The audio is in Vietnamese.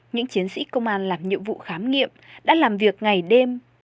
những chiến sĩ công an làm nhiệm vụ khám nghiệm đã làm việc ngày đêm